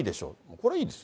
これはいいです。